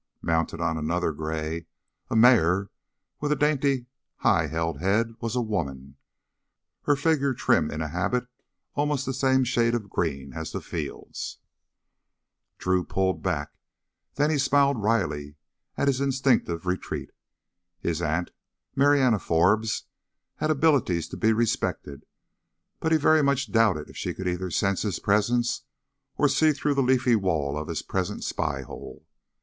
Mounted on another gray a mare with a dainty, high held head was a woman, her figure trim in a habit almost the same shade of green as the fields. Drew pulled back. Then he smiled wryly at his instinctive retreat. His aunt, Marianna Forbes, had abilities to be respected, but he very much doubted if she could either sense his presence or see through the leafy wall of his present spy hole.